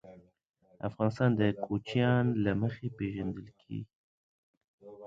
افغانستان د کوچیان له مخې پېژندل کېږي.